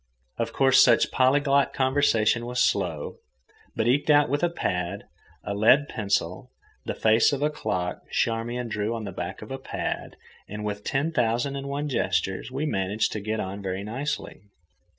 Of course, such polyglot conversation was slow, but, eked out with a pad, a lead pencil, the face of a clock Charmian drew on the back of a pad, and with ten thousand and one gestures, we managed to get on very nicely.